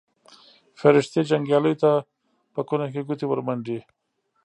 فرښتې جنګیالیو ته په کونه کې ګوتې ورمنډي.